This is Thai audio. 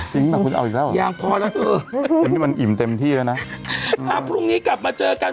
จริงคุณเอาอีกแล้วเหรออย่างนี้มันอิ่มเต็มที่แล้วนะถ้าพรุ่งนี้กลับมาเจอกัน